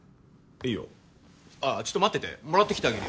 いいよああちょっと待っててもらってきてあげるよ